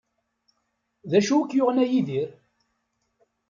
D acu i k-yuɣen a Yidir?